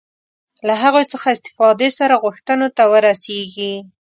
له هغوی څخه استفادې سره غوښتنو ته ورسېږي.